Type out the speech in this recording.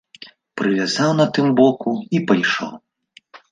Прывязаў на тым боку і пайшоў.